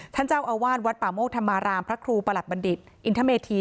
ท่านเจ้าอาวาสวัดป่าโมกธรรมารามพระครูประหลัดบัณฑิตอินทเมธี